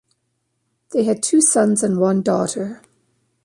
They had two sons and one daughter.